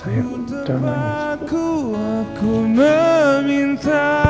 ayah aku nangis